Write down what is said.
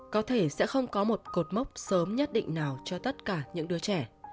có thể sẽ không có một cột mốc sớm nhất định nào cho tất cả những đứa trẻ